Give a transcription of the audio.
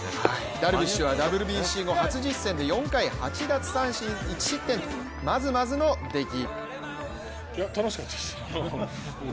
ダルビッシュはＷＢＣ後初実戦で４回８奪三振１失点とまずまずの出来。